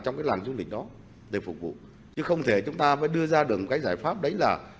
trong cái làng du lịch đó để phục vụ chứ không thể chúng ta mới đưa ra được một cái giải pháp đấy là